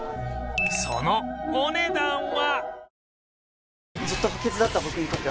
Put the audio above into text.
そのお値段は